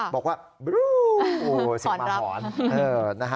บอกว่าสิทธิ์มาหอน